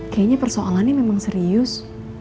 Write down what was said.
kayaknya persoalannya memang serius